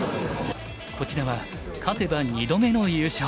こちらは勝てば２度目の優勝。